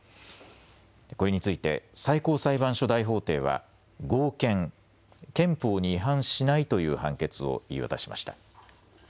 これについて最高裁判所大法廷は合憲、憲法に違反しないという判決を言い渡しました。